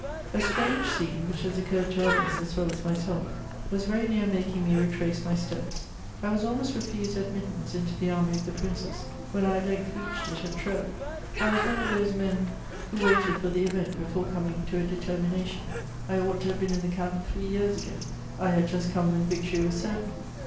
A strange scene, which has occurred to others as weE as myself, was very near making me retrace my steps. I was almost refused admittance into the army of the princes, whega I at length reached it at Treves :*^ I was one of those mea who waited for the event before coming to a determinatioo ; I ought to have been in the camp three years ago ; I had just come when victoiy was certain.